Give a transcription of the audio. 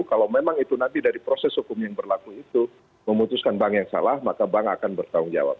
kalau memang itu nanti dari proses hukum yang berlaku itu memutuskan bank yang salah maka bank akan bertanggung jawab